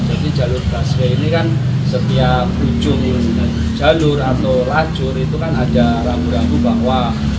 jadi jalur pas k ini kan setiap ujung jalur atau lajur itu kan ada rambu rambu bahwa